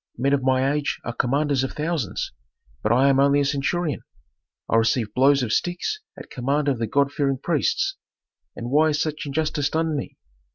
Men of my age are commanders of thousands, but I am only a centurion. I receive blows of sticks at command of the god fearing priests. And why is such injustice done me?